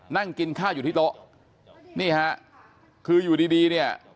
นั่งกินข้าวอยู่ที่โต๊ะนี่ฮะคืออยู่ดีดีเนี่ย